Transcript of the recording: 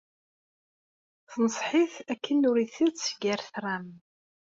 Tenṣeḥ-it akken ur ittett gar tram.